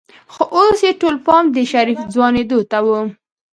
خو اوس يې ټول پام د شريف ځوانېدو ته و.